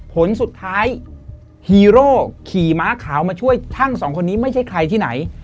ผลสุดท้ายฮีโร่ขี่ม้าขาวมาช่วยช่างสองคนนี้ไม่ใช่ใครที่ไหน